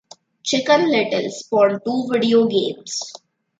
"Chicken Little" spawned two video games.